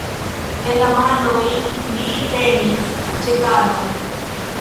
En la manoj li tenis "ĉekanon".